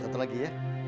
satu lagi ya